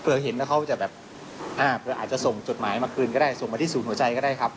เพื่อเห็นแล้วเขาจะแบบอ่าเผื่ออาจจะส่งจดหมายมาคืนก็ได้ส่งมาที่ศูนย์หัวใจก็ได้ครับ